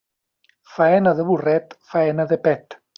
Faena de burret, faena de pet.